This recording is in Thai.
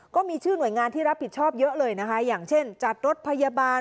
ก็มีชื่อหน่วยงานที่รับผิดชอบเยอะเลยนะคะอย่างเช่นจัดรถพยาบาล